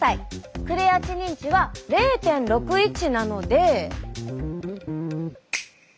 クレアチニン値は０．６１なので。